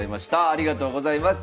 ありがとうございます。